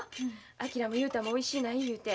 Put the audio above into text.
昭も雄太もおいしない言うて。